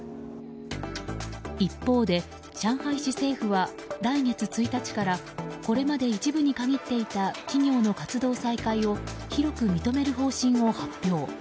一方で、上海市政府は来月１日からこれまで一部に限っていた企業の活動再開を広く認める方針を発表。